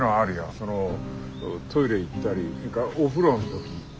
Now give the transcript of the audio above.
そのトイレ行ったりそれからお風呂の時。